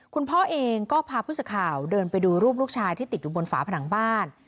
คุณพ่อเองก็พาผู้สื่อข่าวเดินไปดูรูปลูกชายที่ติดอยู่บนฝาผนังบ้าน